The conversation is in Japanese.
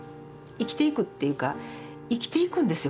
生きていくっていうか生きていくんですよ